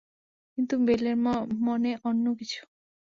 কিন্তু বেলের মনে অন্য কিছু।